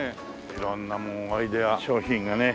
色んなもうアイデア商品がね。